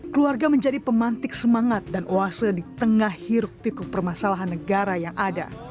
keluarga menjadi pemantik semangat dan oase di tengah hiruk pikuk permasalahan negara yang ada